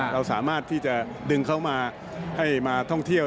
เราสามารถที่จะดึงเขามาให้มาท่องเที่ยว